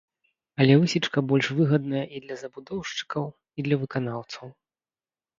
Але высечка больш выгадная і для забудоўшчыкаў, і для выканаўцаў.